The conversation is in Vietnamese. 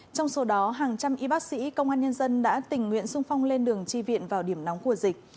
trong số đó hàng trăm y bác sĩ công an nhân dân đã tình nguyện sung phong lên đường chi viện vào điểm nóng của dịch